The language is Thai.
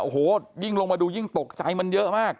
โอ้โหยิ่งลงมาดูยิ่งตกใจมันเยอะมาก